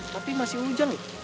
tapi masih hujan nih